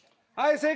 正解！